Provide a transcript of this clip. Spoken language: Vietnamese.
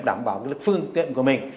đảm bảo được phương tiện của mình